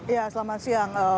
ya selamat siang